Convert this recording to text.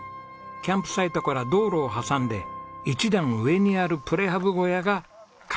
キャンプサイトから道路を挟んで一段上にあるプレハブ小屋が管理人室です。